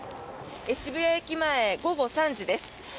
渋谷駅前午後３時です。